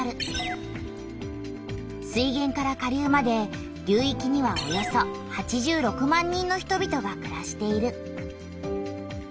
水げんから下流まで流いきにはおよそ８６万人の人々がくらしている。